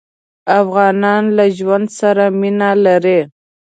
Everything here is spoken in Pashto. افغانان له ژوند سره مينه لري.